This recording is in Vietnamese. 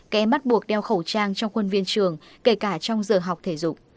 các em bắt buộc đeo khẩu trang trong quân viên trường kể cả trong giờ học thể dục